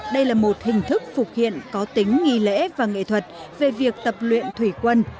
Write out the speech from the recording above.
đây là một hình thức phục hiện có tính nghi lễ và nghệ thuật về việc tập luyện thủy quân